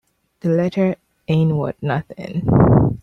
The letter ain't worth nothing.